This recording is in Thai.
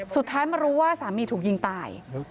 สุดท้ายมารู้ว่าสามีถูกยิงตาย